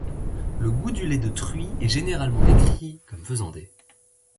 Le goût du lait de truie est généralement décrit comme faisandé.